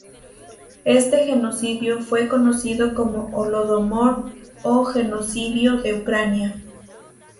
Este genocidio fue conocido como Holodomor o Genocidio de Ucrania.